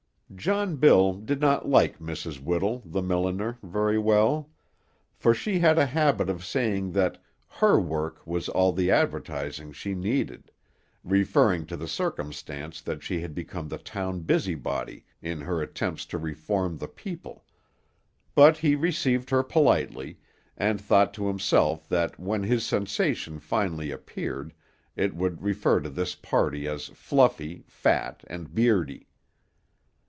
John Bill did not like Mrs. Whittle, the milliner, very well; for she had a habit of saying that "her work" was all the advertising she needed, referring to the circumstance that she had become the town busybody in her attempts to reform the people; but he received her politely, and thought to himself that when his sensation finally appeared it would refer to this party as fluffy, fat, and beardy.